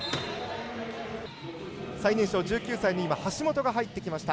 最年少、１９歳の橋本が入ってきました。